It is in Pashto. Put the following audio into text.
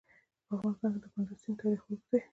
په افغانستان کې د کندز سیند تاریخ اوږد دی.